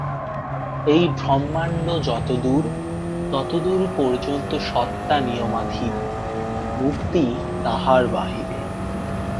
এই ব্রহ্মাণ্ড যতদূর, ততদূর পর্যন্ত সত্তা নিয়মাধীন, মুক্তি তাহার বাহিরে।